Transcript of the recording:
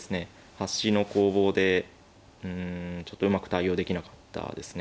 端の攻防でうんちょっとうまく対応できなかったですね。